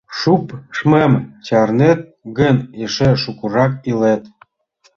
Шупшмым чарнет гын, эше шукырак илет.